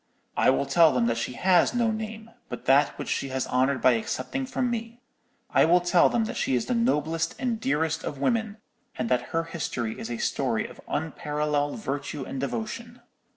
"'I will tell them that she has no name, but that which she has honoured by accepting from me. I will tell them that she is the noblest and dearest of women, and that her history is a story of unparalleled virtue and devotion!'